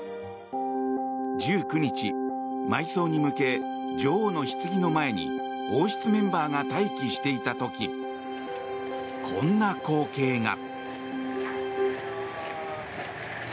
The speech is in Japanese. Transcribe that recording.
１９日、埋葬に向け女王のひつぎの前に王室メンバーが待機していた時こんな光景が。